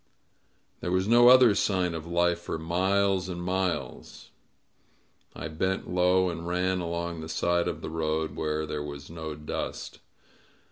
There was no other sign of life for miles and miles. I bent low and ran along the side of the road, where there was no dust.